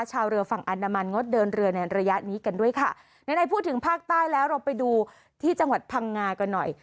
ชาวเรือฝั่งอนามันงดเดินเรือในระยะนี้กันด้วยค่ะไหนพูดถึงภาคใต้แล้วเราไปดูที่จังหวัดพังงากันหน่อย